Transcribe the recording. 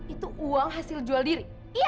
itu uang hasil jual diri